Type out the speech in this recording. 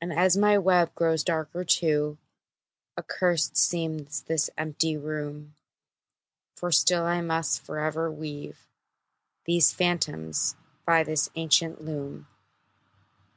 And as my web grows darker too, Accursed seems this empty room; For still I must forever weave These phantoms by this ancient loom.